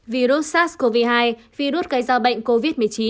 virus sars cov hai virus gây ra bệnh covid một mươi chín